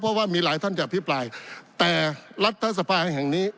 เพราะว่ามีหลายท่านจะอภิปรายแต่รัฐสภาแห่งนี้